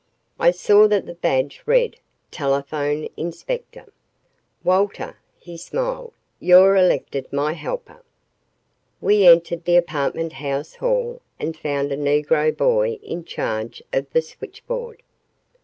I saw that the badge read, Telephone Inspector. "Walter," he smiled, "you're elected my helper." We entered the apartment house hall and found a Negro boy in charge of the switchboard.